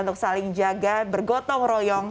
untuk saling jaga bergotong royong